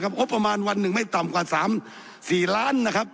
โอ๊ยประมาณวันหนึ่งไม่ต่ำกว่า๓๔ล้านบาท